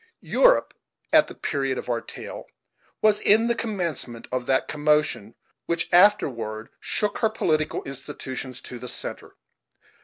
Europe, at the period of our tale, was in the commencement of that commotion which afterward shook her political institutions to the centre.